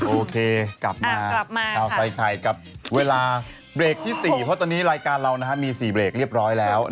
โอเคกลับมาข่าวใส่ไข่กับเวลาเบรกที่๔เพราะตอนนี้รายการเรามี๔เบรกเรียบร้อยแล้ว